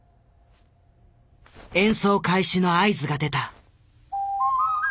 演奏開始の合図が出た。